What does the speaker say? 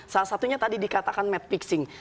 salah satunya tadi dikatakan mad fixing